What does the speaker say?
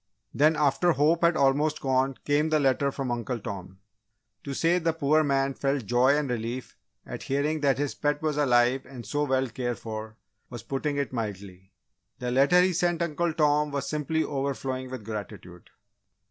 Then, after hope had almost gone, came the letter from Uncle Tom. To say the poor man felt joy and relief at hearing that his pet was alive and so well cared for, was putting it mildly. The letter he sent Uncle Tom was simply overflowing with gratitude.